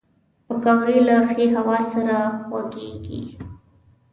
پکورې له ښې هوا سره خوږېږي